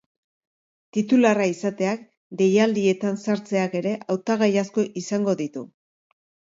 Titularra izateak, deialdietan sartzeak ere, hautagai asko izango ditu.